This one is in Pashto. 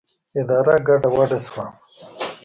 اداره ګډه وډه شوه.